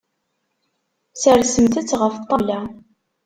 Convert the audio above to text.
Sersemt-t ɣef ṭṭabla.